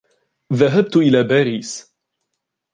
ذهبَت إلى باريس.